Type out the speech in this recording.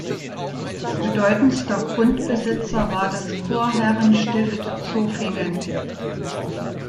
Bedeutendster Grundbesitzer war das Chorherrenstift Zofingen.